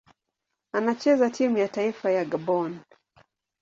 Anachezea timu ya taifa ya Gabon.